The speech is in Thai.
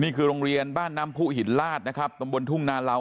โรงเรียนบ้านน้ำผู้หินลาดนะครับตำบลทุ่งนาเหลา